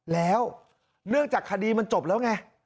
แล้วเนื่องจากคดีมันจบแล้วไง